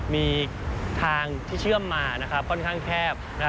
มีทางที่เชื่อมมาค่อนข้างแคบ